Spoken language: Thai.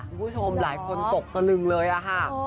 คุณผู้ชมหลายคนตกตะลึงเลยอะค่ะ